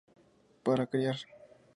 Para criar.